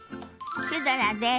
シュドラです。